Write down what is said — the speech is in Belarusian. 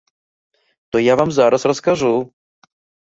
То я вам зараз раскажу.